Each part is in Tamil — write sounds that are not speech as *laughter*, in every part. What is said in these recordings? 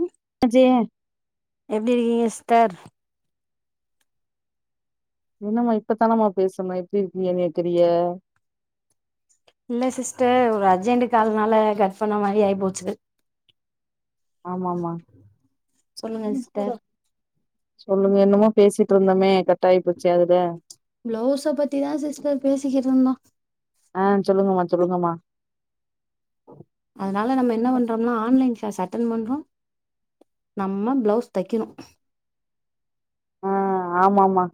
ம் அஜெ எப்டி இருக்கீங்க சிஸ்டர் என்னம்மா இப்பத்தானம்மா பேசுனோ எப்டி இருக்கீங்கனு கேக்கரிய இல்ல சிஸ்டர் ஒரு அர்ஜென்ட் காலுனால கட் பண்ண மாதிரி ஆயி போச்சு ஆமாமா சொல்லுங்க கூட சிஸ்டர் சொல்லுங்க என்னமோ பேசிட்டுருந்தமே கட்டாயி போச்சே அதுல பிளவுஸ பத்திதா சிஸ்டர் பேசிக்கிட்ருந்தோம் ஆ சொல்லுங்கம்மா சொல்லுங்கம்மா அதனால நம்ம என்ன பண்றம்னா ஆன்லைன் க்ளாஸ் அட்டென் பண்றம் நம்ம பிளவுஸ் தைக்கணு ஆமா மா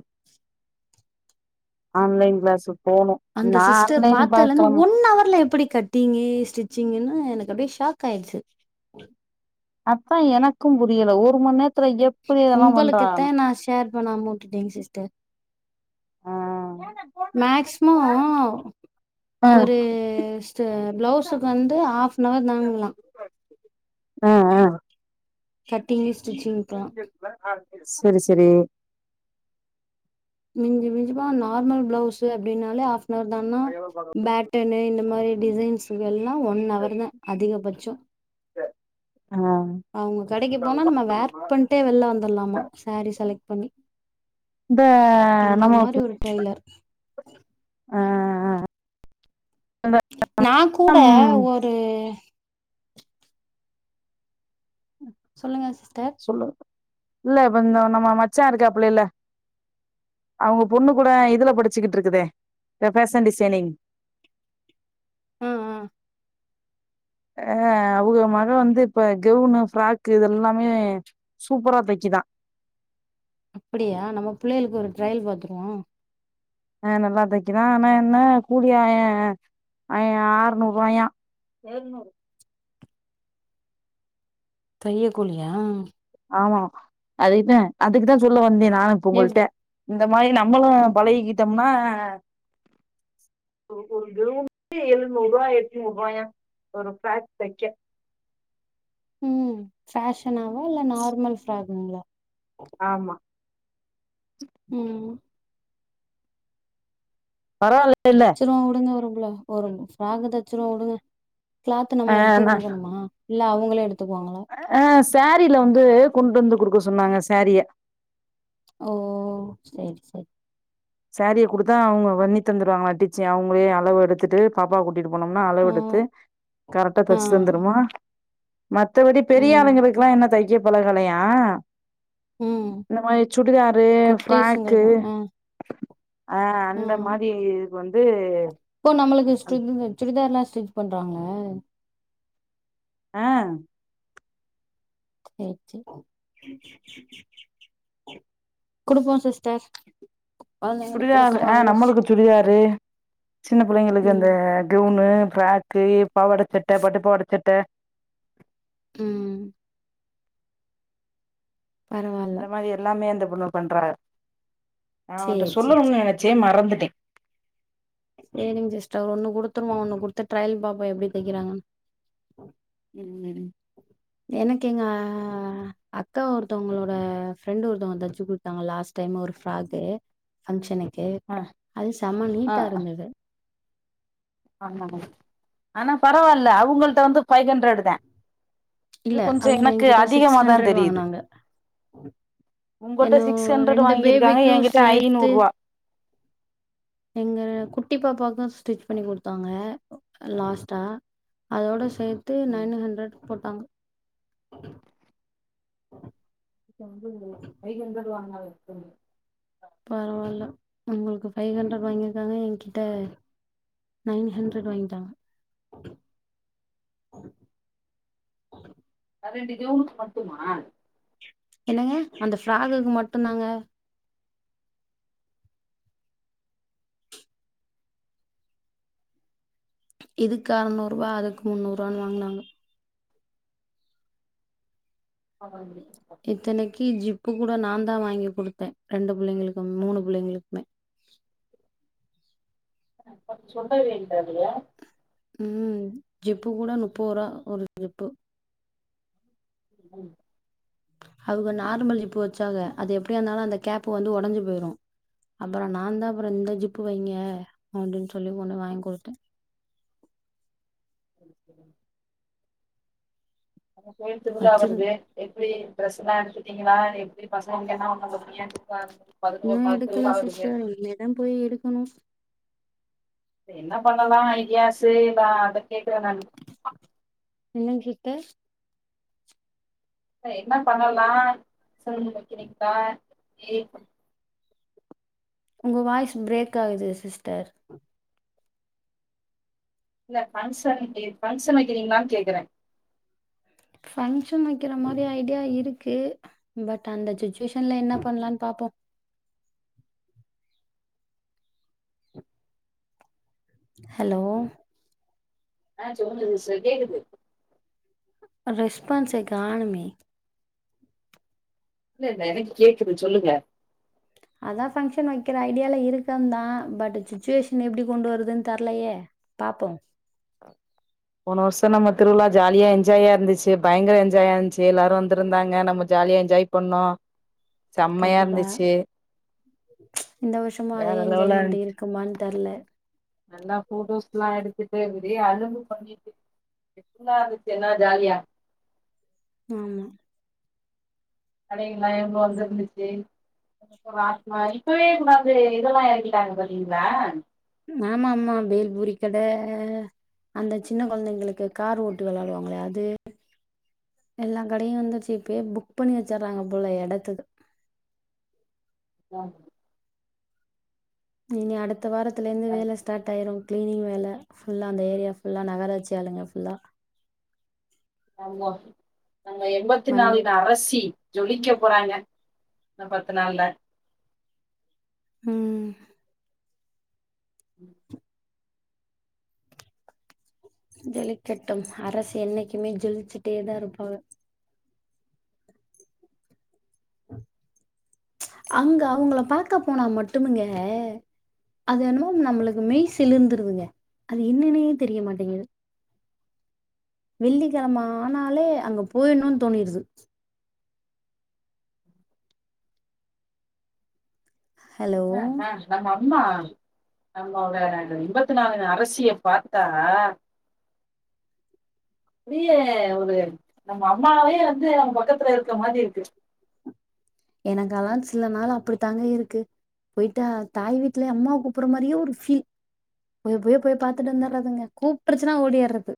ஆன்லைன் கிளாஸ்ஸு போணும் அந்த சிஸ்டர் பாத்ததுலந்து ஒன் அவர்ல எப்டி கட் டிங்கு ஸ்டிச்சிங்கின்னு எனக்கு அப்டியே ஷாக் ஆயிடுச்சு அத்தான் எனக்கும் புரியல ஒரு மண் நேரத்துல எப்டி இதல்லாம் உங்களுக்குத்தா பண்றானு நா ஷேர் பண்ணாம உட்டுட்டேங்க சிஸ்டர் ஆ மேக்சிமம் ஒரு ப்ளவுஸுக்கு வந்து ஹாஃப் அன் ஹவர் தாங்கலாம் ஆ ஆ கட்டிங்கு ஸ்டிச்சிங்கலாம் சரி சரி மிஞ்சு மிஞ்சுப்போன நார்மல் பிளவுஸ்ஸு அப்டின்னாலே ஹப்வர் தானா பேக் டென்னு இந்த மாதிரி டிசைன்ஸுகள்லாம் ஒன் ஹவர் தா அதிகபச்சம் ஆ அவங்க கடைக்கு போனா நம்ம வேர் பண்ணிட்டே வெளில வந்துட்லாமா சாரீ செலக்ட் பண்ணி இந்த அந்த மாரி நம்மளுக்கு ஒரு டெய்லர் ஆ ஆ நா கூட ம் ஒரு சொல்லுங்க சிஸ்டர் இல்ல வந் நம்ம மச்சான் இருக்காப்லல்ல அவங்க பொண்ணு கூட இதுல படிச்சுக்கிட்டு இருக்குதே ஃபேஷன் டிசைனிங் ம் ம் அ அவுக மக வந்து இப்ப கவுனு ஃபிராக்கு இது எல்லாமே சூப்பரா தக்கிதா அப்டியா நம்ம பிள்ளைகளுக்கு ஒரு டிரையல் பாத்துருவோ ஆ நல்லா தைக்கு தா ஆனா என்ன கூலி ஆ ய ஆறுநூறுவாயா ஏழுநூறு தையக்கூலியா ஆமா அதுக்குதே அதுக்குதே சொல்ல வந்தே நானு எப்டி பொங்கல்ட்ட இந்த மாரி நம்மளு அப் பழகிக்கிட்டம்னா ஒவ்வொரு கவுன்க்கு எழுநூருவா எட்நூருவாயா ஒரு ஃபிராக் தக்க ம் ஃபேஷனாவா இல்ல நார்மல் ஃப்ராக்ங்ளா ஆமா ம் பரவால்லைல அப்றோ உடுங்க ஒரு ப்ளவ் ஒரு ஃப்ராக் தச்சுருவோ உடுங்க கிளாத் நம்ம எடுத்து குடுக்கணுமா இல்ல அவுங்களே எடுத்துக்குவாங்களா அ சாரீல வந்து கொண்டு வந்து குடுக்க சொன்னாங்க சாரிய ஓ செர் செரி சாரிய குடுத்தா அவுங்க வன்னி தந்துருவாங்களா டிச்சி அவுங்களே அளவு எடுத்துட்டு பாப்பாவ கூட்டிட்டு போனம்னா அளவு ஆ எடுத்து கரெக்டா ஆ தச்சு தந்துருமா மத்தவடி பெரிய ம் ஆளுங்களுக்கெல்லா இன்னு தைக்க பழகலயா ம் இந்த மாரி சுடிதாரு ஃப்ராக்கு குட்டீஸுங்களுக்கு ஆ ஆ அந்த மாரி இதுக்கு வந்து இப்போ நம்மளுக்கு ஸ்டிகிங் சுடிதார்லா ஸ்டிச் பண்றாங்களா அ சேர் சேர் குடுப்போ சிஸ்டர் கொழந்தைங்களுக்கு சுடிதார் குடுத்து அ வாங்குவோ நம்மளுக்கு சுடிதாரு சின்ன புள்ளைங்களுக்கு அந்த ம் கெவ்னு பிராக் க்கு பாவாடசட்ட பட்டுப்பவாடச்சட்ட ம் பரவா இந்த மாரி எல்லாமே அந்த புள்ள பண்றாக நா ஒன்ட்ட சேரி சேரி சொல்லணும்ன் சேரி நெனச்சே மறந்துட்டே சேரிங்க சிஸ்டர் ஒன்னு குடுத்துருவோ ஒன்னு குடுத்து ட்ரயல் பாப்போ எப்டி தைக்கிறாங்கனு ம் எனக்கு எங்க அக்கா ஒருத்தவ்ங்களோட ஃப்ரெண்டு் ஒருத்தவ்ங்க தச்சு குடுத் தாங்க லாஸ்ட் டைம் ஒரு ஃப்ராகு ஃபங்க்ஷனுக்கு ஆ அது செம ஆ நீட்டா இருந்துது ஆமாங்க ஆனா பரவால்ல அவுங்கள்ட்ட வந்து ஃபைவ் ஹண்ரட்த இது இல்ல கொஞ்சோ அவங்க எனக்கு என்கிட்ட சிக்ஸ் அதிகமாதா ஹண்ட்ரட் தெரிது வாங்குனாங்க உங்கள்ட்ட என்ன சிக்ஸ் ஹண்ட்ரட் ரெண்டு வாங்கீருக்காங்க பேபிக்கும் ஏங்கிட்ட சேர்த்து ஐனுர்ருவா எங்க குட்டி பாப்பாக்கு ஸ்டிச் பண்ணி குடுத்தாங்க லாஸ்ட்டா அதோட சேத்து நைன் ஹண்ரட் போட்டாங்க எங்கள்து ஃபைவ் ஹண்ட்ரட் வாங்கனாக எப்பிருந்து பரவால்ல உங்கள்க்கு ஃபைவ் ஹண்ட்ரட் வாங்கிருக்காங்க எங்கிட்ட நைன் ஹண்ரட் வாங்கிட்டாங்க பதினெட்டு கெவுனுக்கு பத்துமா என்னங்க அந்த ஃப்ராகுக்கு மட்டுந் தாங்க இதுக்கு எற்நூறுவா அதுக்கு முன்னூறுவான்னு வாங்னாங்க இத்தனக்கி ஜிப் பு கூட நாந்தா வாங்கி குடுத்த ரெண்டு புள்ளைங்களுக்கு மூணு புள்ளைகளுக்குமே *inaudible* சொல்லவே இல்ல அவிக ம் ஜிப்பு கூட முப்பத்ருவா ஒரு ஜிப்பு ம் அவுக நார்மல் ஜிப்பு வச்சாக அது எப்டியாந்தாலு அந்த கேப் வந்து ஒடஞ்சு போயிரு அப்பறோ நாந்தா அப்பறோ இந்த ஜிப்பு வைங்க அப்டின் சொல்லி ஒண்ணு வாங்குடுத்த அப்போ கோயில் திருவிழா வச்சிரு வருது எப்டி டிரெஸ்ஸெல்லா எடுத்துட்டீங்களா எப்டி பசங்க அங்கெல்லா நம்ம கல்யாணத்துக்கு வாரதுக்கு பதினோரு மன்த்லி ஆகுது எம் போய் எழுப்பனு என்ன பண்ணலா ஐடியாசு நா அத கேக்கல நானு என்னங் சிஸ்டர் என்ன பண்ணலா சொல்லுங்க கேட்டா ஏ ஒங்க வாய்ஸ் பிரேக் ஆகுது சிஸ்டர் இல்ல ஃபங்க்ஷ ஃபங்க்ஷன் வக்குறீங்கங்களானு கேக்குற ஃபங்க்ஷன் வைக்கிற மாரி ஐடியா இருக்கு பட் அந்த சுச்சுவேஷன்ல என்ன பண்ணலானு பாப்போ ஹலோ ஆ சொல்லுங்க சிஸ்டர் கேக்குது ரெஸ்பான்ஸே காணமே இல்ல இல்ல எனக்கு கேக்குது சொல்லுங்க அதா ஃபங்க்ஷன் வக்கிற ஐடியால இருக்கந்தா பட் சுச்சுவேஷன் எப்டி கொண்டு வரதுன்னு தெர்லயே பாப்போ போன வருஷ நம்ம திருவிழா ஜாலியா என்ஜாயா இருந்துச்சு பயங்கர என்ஜாயா இருந்ச்சு எல்லாரு வந்திருந்தாங்க நம்ம ஜாலியா எஜ்ஜாய் பண்ணோ செம்மையா கண்டிப்பா இருந்துச்சு இந்த வருஷமு அதே வேற லெவலா எஜ்ஜாய்மெண்ட் இருந்துச்சு இருக்குமானு தெர்ல நல்லா போட்டோஸ்ல்லா எடுத்துட்டு விடிய அழும்பு பண்ணிட்டு எப்பிட்லா இருந்ச்சு என்னா ஜாலியா ஆமா கடையெல்லா எவ்ளோ வந்துருந்துச்சு ராட்னோ இப்பவே கொண்டாந்து இதெல்லா எறக்கிட்டாங்க பாத்தீங்களா ஆமாமா பேல்பூரி கட அந்த சின்ன கொழந்தைங்களுக்கு கார் ஓட்டி வெளடுவாங்களே அது எல்லாங் கடயு வந்ருச்சு இப்பயே புக் பண்ணி வச்சுறாங்க போல எடத்துக்கு ஆ இனி அடுத்த வாரத்ல இருந்து வேல ஸ்டார்ட் ஆயிரு கிளீனிங் வேல ஃபுல்லா அந்த ஏரியா ஃபுல்லா நகராட்சி ஆளுங்க ஃபுல்லா நாங்க நாங்க எம்பத்தி மண்ணு நாலுங்க வெட்ட அரசி ஜொலிக்க போறாங்க இன்ன பத்து நாள்ல ம் ம் ஜொலிக்கட்டும் அரசி என்னைக்குமே ஜொலிச்சுட்டே தா இருப்பாக அங்க அவுங்கள பாக்க போனா மட்டுமுங்க அது என்னமோ நம்மளுக்கு மெய் சிலிர்ந்துருதுங்க அது என்னனே தெரியமாட்டேங்கிது வெள்ளிக்கெழம ஆனாலே அங்க போயிருனுன்னு தோனிருது ஹலோ! அதா அதா அதா நம்மா நம்மளோட இந்த எம்பத்தி நாலுங்க அரசிய பாத்துட்டா அப்டியே ஒரு நம்ம அம்மாவே வந்து நம்ம பக்கத்ல இருக்க மாதி இருக்கு எனக்கெல்லா சில நாள் அப்டித்தாங்க இருக்கு போய்ட்டா தாய் வீட்ல அம்மா கூப்ற மாரியே ஒரு ஃபீல் போய் போய் போய் பாத்துட்டு வந்துர்றதுங்க கூப்ட்ருச்னா ஓடிர்றது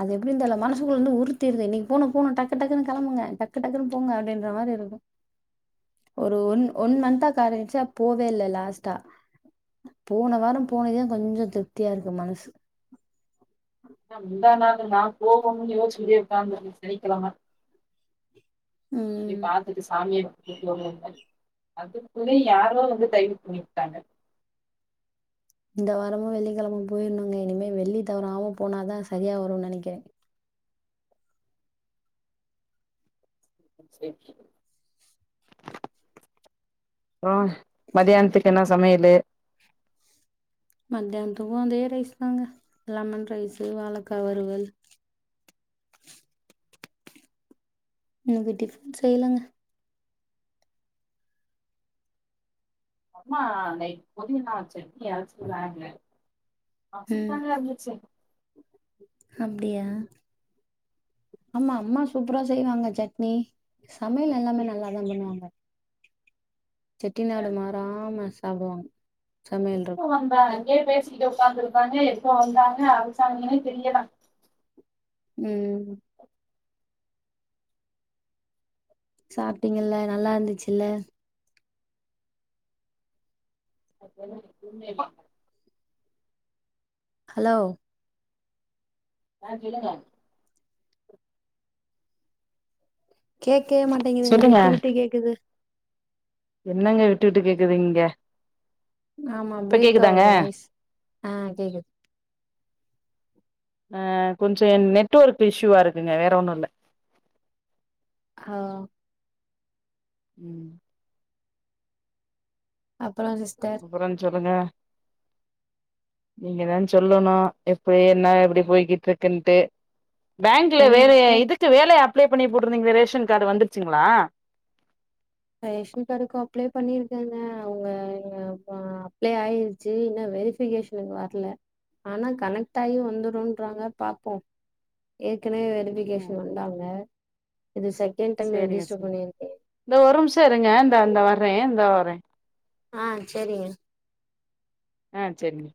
அது எப்டின் தெரில மனசுக்குள்ள வந்து உருத்திருது இன்னக்கி போனு போனு டக்கு டக்குன்னு கெளம்புங்க டக்கு டக்குன்னு போங்க அப்டீன்ற மாரி இருக்கு ஒரு ஒன் ஒன் மந்த்தா கடேசியா போவே இல்ல லாஸ்ட்டா போன வாரோ போனதுதா கொஞ்சோ திருப்தியா இருக்கு மனசு உ *inaudible* ஏ முந்தா நாலு நா போகணுன்னு யோசுச்சுகிட்டே உக்காந்து இருந்தே சனிக்கெழம போய் ம் பாத்துட்டு சாமிய கும்ட்டு வருவோன்னு அதுகுள்ளயு யாரோ வந்து டைவர்ட் பண்ணி விட்டுட்டாங்க இந்த வாரமு வெள்ளிக்கெழம போயிருனுங்க இனிமே வெள்ளி தவறாம போனாதா சரியா வருன்னு நெனக்கிறே ம் சேரி ஆ மதியானத்துக்கு என்ன சமையலு மத்யானத்துக்கு அதே ரைஸ் தாங்க லெமன் ரைஸ் வாழக்கா வறுவல் இன்னக்கு டிஃபன் செய்லங்க அம்மா நைட் புதினா சட்னி அரச்சிருந்தாங்க ம் அப்டிதாங்க இருந்துச்சு அப்டியா ஆமா அம்மா சூப்ரா செய்வாங்க சட்னி சமையல் எல்லாமே நல்லாதா பண்ணுவாங்க செட்டி நாடு மாறாம சாப்டுவாங்க சமையல்ற எப்ப வந்தாங்க அங்கயே பேசிகிட்டு ஒக்காந்துருந்தாங்க எப்போ வந்தாங்க அரசாங்கன்னே தெரியலா ம் சாப்டிங்கல்ல நல்லா இருந்துச்சில்ல அதெல்லா எதுமே இல்லம்மா ஹலோ ஆ சொல்லுங்க கேக்கவே மாட்டேங்கிதுங்க சொல்லுங்க விட்டு விட்டு கேக்குது என்னங்க விட்டு விட்டு கேக்குது இங்க ஆமா இப்ப பிரேக் கேக்குதாங்க ஆவுது வாய்ஸ் ஆ கேக்குது ஆ கொஞ்சோ நெட்ஒர்க் இஷ்யூவா இருக்குங்க வேற ஒண்ணு இல்ல ஆ ம் அப்பறோ சிஸ்டர் ப்பறோ சொல்லுங்க நீங்கதா சொல்லணு எப்ப என்ன எப்டி போய்கிட்ருக்குன்ட்டு பேங்க்ல என்னங்க வேற சிஸ்டர் இதுக்கு வேலைய அப்ளே பண்ணி போட்ருந்தீங்களே ரேஷன் கார்டு வந்துருச்சுங்ளா ரேஷன் கார்டுக்கு அப்ளே பண்ணீர்க்கேங்க அவுங்க எங்க ப அப்ளே ஆயி ச்சி இன்ன வெரிஃபிகேஷனுக்கு வர்ல ஆனா கனெக்ட் ஆயி வந்துரும்றாங்க பாப்போ ஏற்கனவே வெரி ம் ஃபிகேசன் வந்தாங்க இது செ சேரிங்க செரி இந்த ஒரு நிம்ஷ இருங்க இந்தா இந்தா வர்றே இந்தா வரே ஆ செரிங்க ஆ செரிங்க